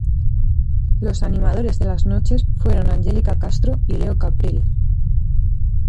Los animadores de las noches fueron Angelica Castro y Leo Caprile.